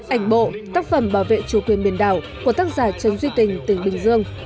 ảnh bộ tác phẩm bảo vệ chủ quyền biển đảo của tác giả trần duy tình tỉnh bình dương